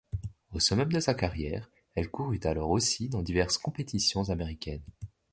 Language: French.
Au summum de sa carrière, elle courut alors aussi dans diverses compétitions américaines.